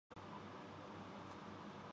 اقبال اجتہاد کو اصول حرکت کے طور پر دیکھتے ہیں۔